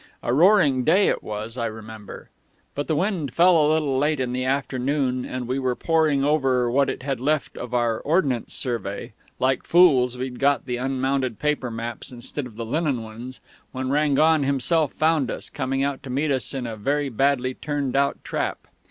A roaring day it was, I remember.... But the wind fell a little late in the afternoon, and we were poring over what it had left of our Ordnance Survey like fools, we'd got the unmounted paper maps instead of the linen ones when Rangon himself found us, coming out to meet us in a very badly turned out trap.